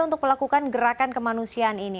untuk melakukan gerakan kemanusiaan ini